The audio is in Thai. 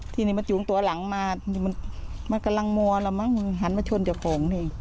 ทีนี้มันจูงตัวหลังมามันกำลังมัวแล้วมั้งหันมาชนเจ้าของนี่